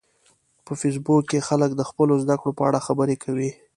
په فېسبوک کې خلک د خپلو زده کړو په اړه خبرې کوي